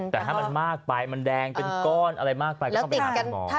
แต่ถ้ามันมากไปมันแดงเป็นก้อนอะไรมากไปก็ต้องไปหาคุณหมอ